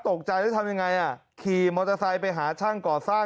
ตกใจได้ทำยังไงอ่ะ